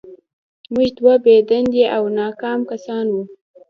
موږ دوه بې دندې او ناکام کسان وو